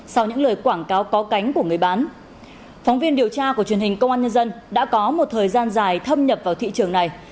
sau những lời quảng cáo có cánh của người bán phóng viên điều tra của truyền hình công an nhân dân đã có một thời gian dài thâm nhập vào thị trường này